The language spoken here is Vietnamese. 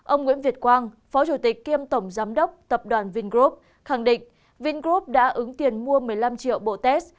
ông nguyễn việt quang phó chủ tịch kiêm tổng giám đốc tập đoàn vingroup khẳng định vingroup đã ứng tiền mua một mươi năm triệu bộ test